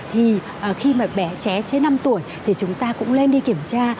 thì khi mà bé trẻ trên năm tuổi thì chúng ta cũng lên đi kiểm tra